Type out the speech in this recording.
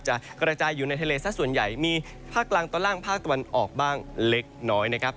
กระจายอยู่ในทะเลสักส่วนใหญ่มีภาคกลางตอนล่างภาคตะวันออกบ้างเล็กน้อยนะครับ